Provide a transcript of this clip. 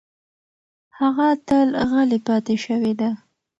هغه تل غلې پاتې شوې ده.